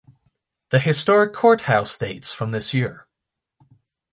The historic courthouse dates from this year.